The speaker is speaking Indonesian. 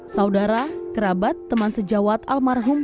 saudara kerabat teman sejawat almarhum